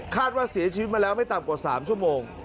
ว่าเสียชีวิตมาแล้วไม่ต่ำกว่า๓ชั่วโมง